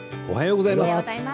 おはようございます。